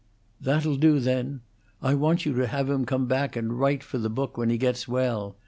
"That'll do, then! I want you to have him come back and write for the book when he gets well.